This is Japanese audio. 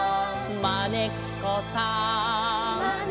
「まねっこさん」